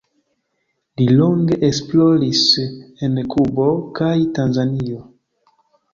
Li longe esploris en Kubo kaj Tanzanio.